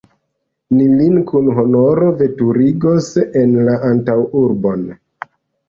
Ni lin kun honoro veturigos en la antaŭurbon.